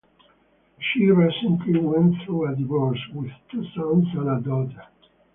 She recently went through a divorce, with two sons and a daughter.